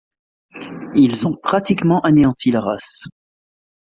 Ils ont pratiquement anéanti la race.